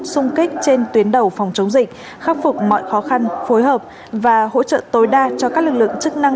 xung kích trên tuyến đầu phòng chống dịch khắc phục mọi khó khăn phối hợp và hỗ trợ tối đa cho các lực lượng chức năng